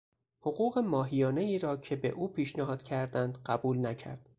حقوق ماهیانهای را که به او پیشنهاد کردند قبول نکرد.